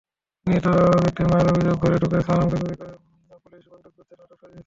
নিহত ব্যক্তির মায়ের অভিযোগ, ঘরে ঢুকে সালামকে গুলি করে পুলিশ বন্দুকযুদ্ধের নাটক সাজিয়েছে।